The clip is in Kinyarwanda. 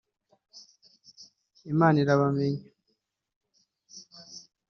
Imana irabamenya